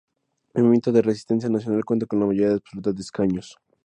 El Movimiento de Resistencia Nacional cuenta con la mayoría absoluta de escaños.